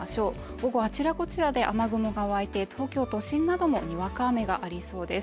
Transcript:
午後はあちらこちらで雨雲が湧いて東京都心などもにわか雨がありそうです。